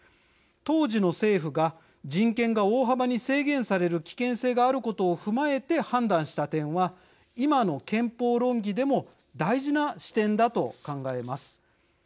当時の政府が人権が大幅に制限される危険性があることを踏まえて判断した点は今の憲法論議でも大事な視点だと考えます。